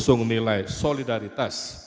dengan mengusung nilai solidaritas